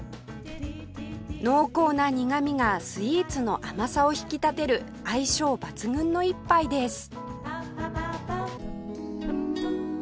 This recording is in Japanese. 濃厚な苦みがスイーツの甘さを引き立てる相性抜群の一杯です